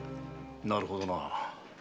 なるほどな。